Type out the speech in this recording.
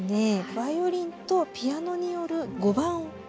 バイオリンとピアノによる５番。